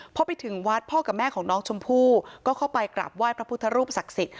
พอไปถึงวัดพ่อกับแม่ของน้องชมพู่ก็เข้าไปกราบไหว้พระพุทธรูปศักดิ์สิทธิ